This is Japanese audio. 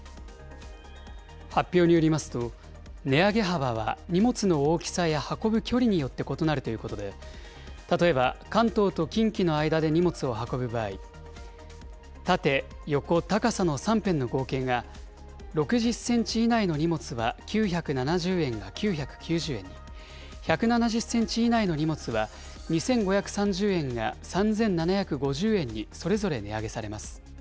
発表によりますと、値上げ幅は荷物の大きさや運ぶ距離によって異なるということで、例えば関東と近畿の間で荷物を運ぶ場合、縦・横・高さの３辺の合計が、６０センチ以内の荷物は９７０円が９９０円に、１７０センチ以内の荷物は２５３０円が３７５０円に、それぞれ値上げされます。